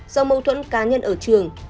do mâu thuẫn cá nhân ở trường